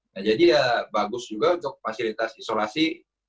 nah jadi ya bagus juga untuk fasilitas isolasi